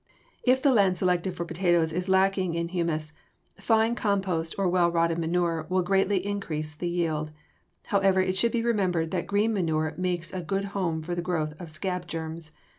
If the land selected for potatoes is lacking in humus, fine compost or well rotted manure will greatly increase the yield. However, it should be remembered that green manure makes a good home for the growth of scab germs.